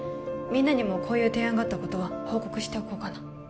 みんなにもこういう提案があったことは報告しておこうかな